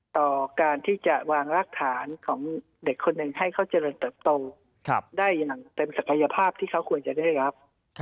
ต่อการที่จะวางรากฐานของเด็กคนหนึ่งให้เขาเจริญเติบโตได้อย่างเต็มศักยภาพที่เขาควรจะได้รับ